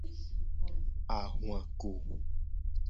Ahuako.